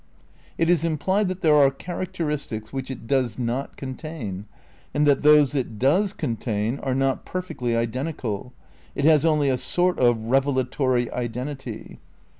It is implied that there are characteristics which it does not contain and that those it does contain are not perfectly identical ; it has only '' a sort of '' revelatory identity.